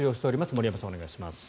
森山さん、お願いします。